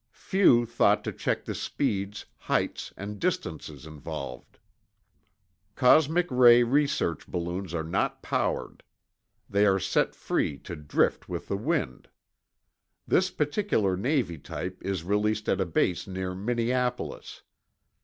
Few thought to check the speeds, heights, and distances involved. Cosmic ray research balloons are not powered; they are set free to drift with the wind. This particular Navy type is released at a base near Minneapolis.